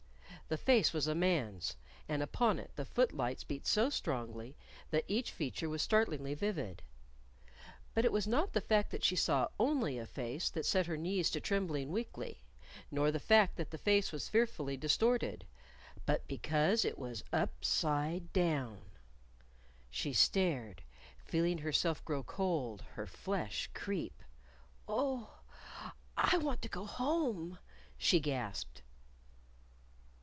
The face was a man's, and upon it the footlights beat so strongly that each feature was startlingly vivid. But it was not the fact that she saw only a face that set her knees to trembling weakly nor the fact that the face was fearfully distorted; but because it was upside down! She stared, feeling herself grow cold, her flesh creep. "Oh, I want to go home!" she gasped.